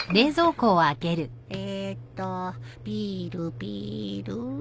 えっとビールビール。